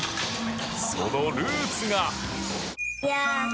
そのルーツが。